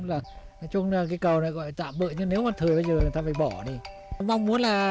nè nói chung là cái cầu này gọi tạo bự như nếu mà thừa bây giờ người ta phải bỏ đi mong muốn là